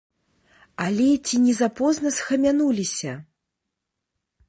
Але ці не запозна схамянуліся?